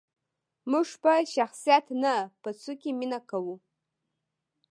موږ په شخصیت نه، په څوکې مینه کوو.